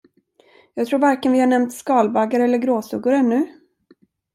Jag tror varken vi har nämnt skalbaggar eller gråsuggor ännu?